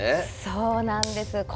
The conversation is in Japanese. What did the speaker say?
そうなんです。